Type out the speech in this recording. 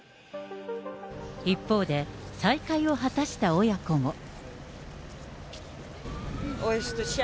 一方で、再会を果たした親子も。